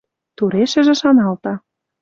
Турешӹжӹ шаналта: